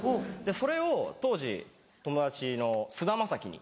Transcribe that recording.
それを当時友達の菅田将暉に。